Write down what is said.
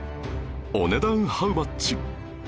お値段ハウマッチ？